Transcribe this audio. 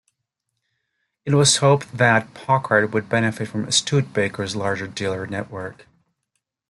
It was hoped that Packard would benefit from Studebaker's larger dealer network.